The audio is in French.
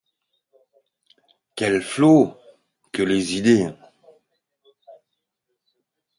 Quels flots que les idées!